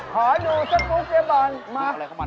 ขอดูสัตว์มุกเรียบร้อย